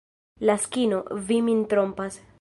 Laskino, vi min trompas.